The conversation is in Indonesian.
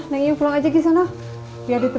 bukankah memang bom yang nya juga susah untuk diganggur